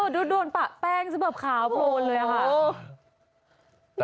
ดูโดนปะแป้งซะแบบขาวโพนเลยค่ะ